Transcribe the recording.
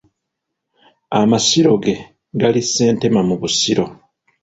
Amasiro ge gali Ssentema mu Busiro.